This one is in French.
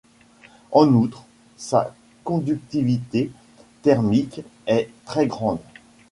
En outre, sa conductivité thermique est très grande.